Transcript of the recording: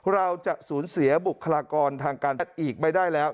เราจะสูญเสียบุคลากรทางการแพทย์อีกไม่ได้แล้ว